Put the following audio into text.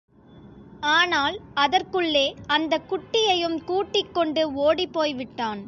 ஆனால் அதற்குள்ளே அந்தக் குட்டியையும் கூட்டிக்கொண்டு ஓடிப்போய் விட்டான்.